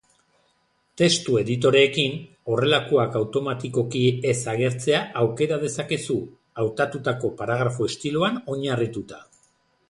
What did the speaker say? Testu-editoreekin, horrelakoak automatikoki ez agertzea aukera dezakezu, hautatutako paragrafo-estiloan oinarrituta.